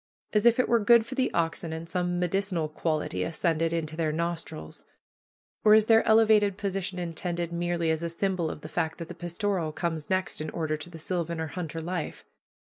As if it were good for the oxen, and some medicinal quality ascended into their nostrils. Or is their elevated position intended merely as a symbol of the fact that the pastoral comes next in order to the sylvan or hunter life?